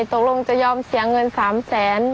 ตกลงจะยอมเสียเงิน๓แสน